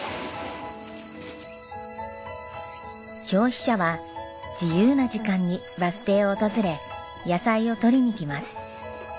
消費者は自由な時間にバス停を訪れ野菜を取りに来ます。